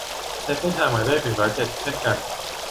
ใช้เส้นทางหมายเลข หนึ่งร้อยเจ็ด เช่นกัน